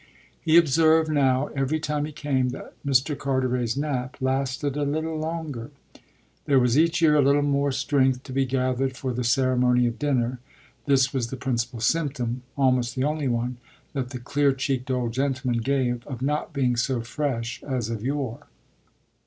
He observed now, every time he came, that Mr. Carteret's nap lasted a little longer. There was each year a little more strength to be gathered for the ceremony of dinner: this was the principal symptom almost the only one that the clear cheeked old gentleman gave of not being so fresh as of yore.